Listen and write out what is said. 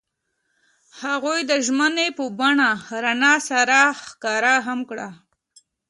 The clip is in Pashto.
هغوی د ژمنې په بڼه رڼا سره ښکاره هم کړه.